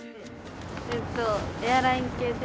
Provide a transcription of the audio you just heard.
えっとエアライン系です。